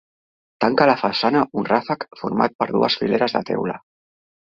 Tanca la façana un ràfec format per dues fileres de teula.